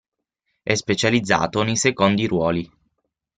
È specializzato nei secondi ruoli.